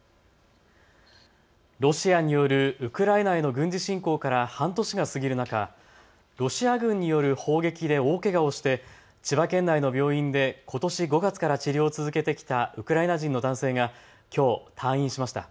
ロシアによるウクライナへの軍事侵攻から半年が過ぎる中、ロシア軍による砲撃で大けがをして千葉県内の病院でことし５月から治療続けてきたウクライナ人の男性がきょう退院しました。